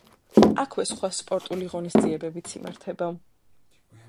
აქვე სხვა სპორტული ღონისძიებებიც იმართება.